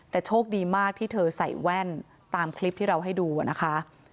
แต่โชคดีมากที่เธอใส่แว่นตามคลิปที่เราให้ดูนะคะ